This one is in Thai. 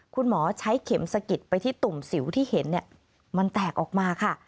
คุณหมอใช้เข็มสะกิดไปที่ตุ่มสิวที่เห็นมันแตกออกมาค่ะ